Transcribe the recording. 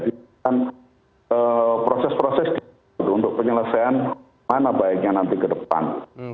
di proses proses untuk penyelesaian mana baiknya nanti ke depan